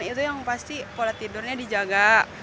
itu yang pasti pola tidurnya dijaga